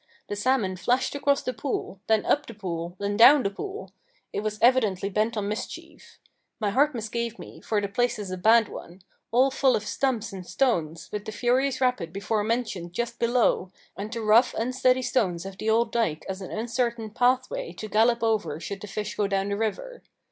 The salmon flashed across the pool, then up the pool, then down the pool. It was evidently bent on mischief. My heart misgave me, for the place is a bad one all full of stumps and stones, with the furious rapid before mentioned just below, and the rough unsteady stones of the old dike as an uncertain path way to gallop over should the fish go down the river.